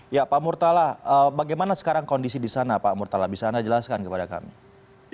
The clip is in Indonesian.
ya pak murtala bagaimana sekarang kondisi di sana pak murtala bisa anda jelaskan kepada kami